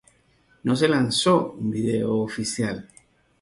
No se lanzó un video oficial.